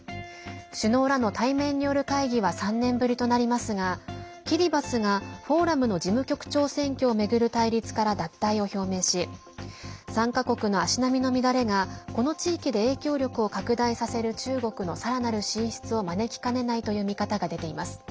首脳らの対面による会議は３年ぶりとなりますがキリバスがフォーラムの事務局長選挙を巡る対立から脱退を表明し参加国の足並みの乱れがこの地域で影響力を拡大させる中国のさらなる進出を招きかねないという見方が出ています。